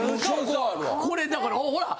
これだからほら！